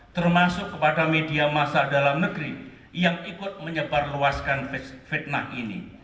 termasuk kepada media masa dalam negeri yang ikut menyebarluaskan fitnah ini